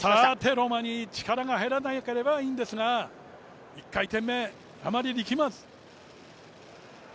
ロマニ、力が入らなければいいんですが、１回転目、あまり力まず。